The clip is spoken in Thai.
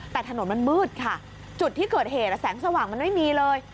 แต่ถนนมันมืดค่ะจุดที่เกิดเหตุแสงสว่างมันไม่มีเลย